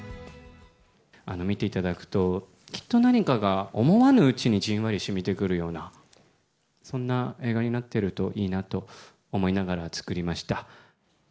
見ていただくと、きっと何かが、思わぬうちにじんわりしみてくるような、そんな映画になってるといいなと思いながら作りました。